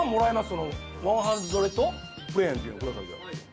ワンハンドレットプレーンっていうの下さい。